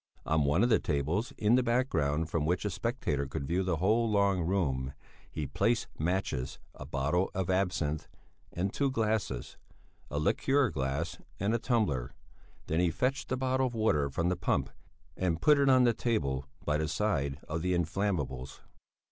On one of the tables, in the background, from which a spectator could view the whole long room, he placed matches, a bottle of absinth and two glasses, a liqueur glass and a tumbler; then he fetched a bottle of water from the pump and put it on the table by the side of the inflammables.